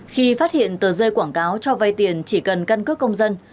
khi phát hiện tờ rơi quảng cáo cho vay tiền chỉ cần căn cước công dân